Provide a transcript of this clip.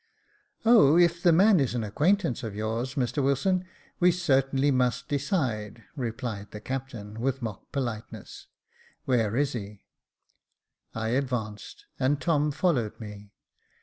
'* Oh, if the man is an acquaintance of yours, Mr Wilson, we certainly must decide," replied the captain with mock politeness, " Where is he ?" I advanced, and Tom followed me.